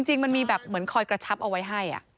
จริงมันมีแบบเหมือนคอยกระชับเอาไว้ให้